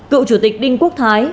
cựu chủ tịch đinh quốc thái